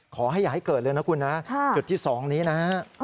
ขอให้อย่าให้เกิดเลยนะคุณนะจุดที่๒นี้นะฮะ